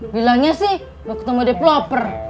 bilangnya sih mau ketemu developer